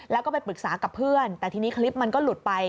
แล้วก็ไปปรึกษากับเพื่อนแต่ทีนี้คลิปมันก็หลุดไป